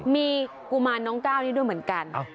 มีกุมารน้องก้าวนี่ด้วยเหมือนกัน